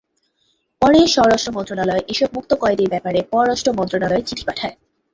পরে স্বরাষ্ট্র মন্ত্রণালয় এসব মুক্ত কয়েদির ব্যাপারে পররাষ্ট্র মন্ত্রণালয়ে চিঠি পাঠায়।